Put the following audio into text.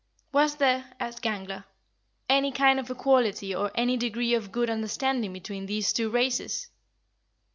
7. "Was there," asked Gangler, "any kind of equality or any degree of good understanding between these two races?"